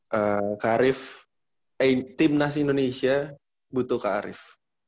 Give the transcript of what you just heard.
kak arief timnas indonesia butuh kak arief